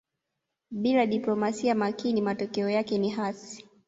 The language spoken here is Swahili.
Bila diplomasia makini matokeo yake ni hasi